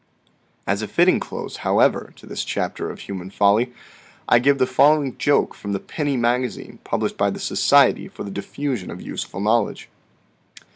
As a fitting close, however, to this chapter of human folly, I give the following joke from the " Penny Magazine," published by the Society for the Diffusion of Useful Knowledge.